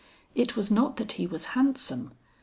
It was not that he was handsome.